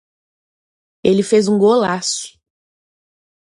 ele fez um golaço